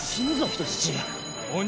人質。